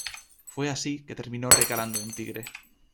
Fue así que terminó recalando en Tigre.